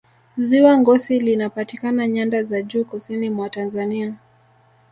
ziwa ngosi linapatikana nyanda za juu kusini mwa tanzania